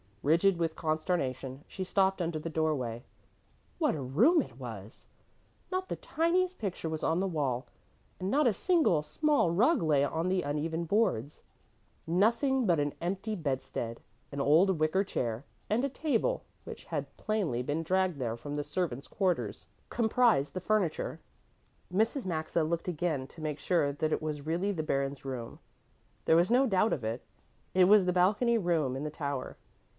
Rigid with consternation, she stopped under the doorway. What a room it was! Not the tiniest picture was on the wall and not a single small rug lay on the uneven boards. Nothing but an empty bedstead, an old wicker chair and a table which had plainly been dragged there from the servants' quarters, comprised the furniture. Mrs. Maxa looked again to make sure that it was really the Baron's room. There was no doubt of it, it was the balcony room in the tower.